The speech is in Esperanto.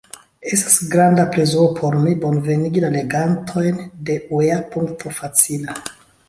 Estas granda plezuro por mi, bonvenigi la legantojn de uea.facila!